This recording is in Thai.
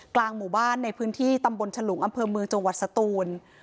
กลางหมู่บ้านในพื้นที่ตำบลฉลุงอำเภอเมืองจังหวัดสตูน